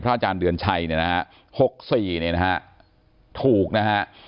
อาจารย์เดือนชัยเนี่ยนะฮะ๖๔เนี่ยนะฮะถูกนะฮะ